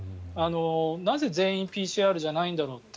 なぜ、全員ＰＣＲじゃないんだろうって。